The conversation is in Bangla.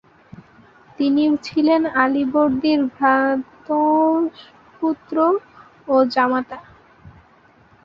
তিনি ছিলেন আলীবর্দীর ভ্রাতুষ্পুত্র ও জামাতা।